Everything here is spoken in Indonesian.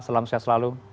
selamat siang selalu